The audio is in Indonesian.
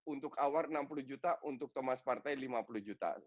untuk hour enam puluh juta untuk thomas partai lima puluh juta